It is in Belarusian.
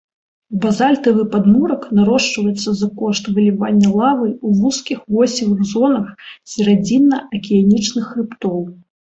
Базальтавы падмурак нарошчваецца за кошт вылівання лавы ў вузкіх восевых зонах сярэдзінна-акіянічных хрыбтоў.